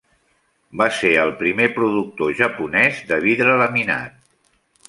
Va ser el primer productor japonès de vidre laminat.